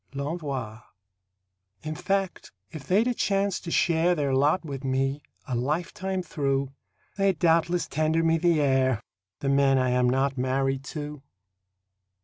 L'ENVOI In fact, if they'd a chance to share Their lot with me, a lifetime through, They'd doubtless tender me the air The men I am not married to.